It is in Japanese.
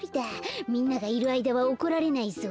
みんながいるあいだは怒られないぞ。